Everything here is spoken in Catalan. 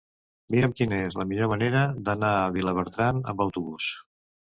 Mira'm quina és la millor manera d'anar a Vilabertran amb autobús.